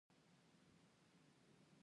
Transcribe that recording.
آب وهوا د افغانستان یو لوی طبعي ثروت دی.